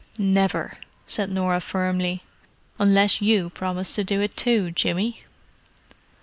"Never!" said Norah firmly. "Unless you promise to do it too, Jimmy."